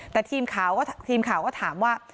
แต่ทีมข่าวก็ถามว่า